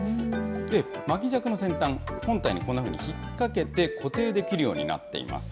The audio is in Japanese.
巻き尺の先端、本体にこんなふうに引っ掛けて固定できるようになっています。